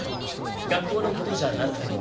学校のことじゃなくても。